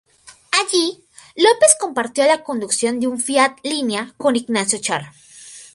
Allí, López compartió la conducción de un Fiat Linea con Ignacio Char.